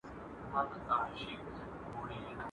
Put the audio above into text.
شپه تیاره وه ژر نیهام ځانته تنها سو.